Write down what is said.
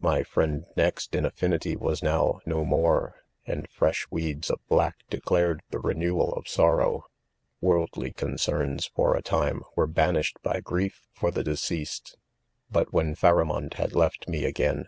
My friend next in, affinity, was. no w, mo mpre, anfji fieA'; weeds of black declared the renewal of sorrow, .'. "Worldly. Concerns, for. a whi)e ? wem bait° fefaed by.' 'grief fpr the deceased;, but when .Siaramond had left me again?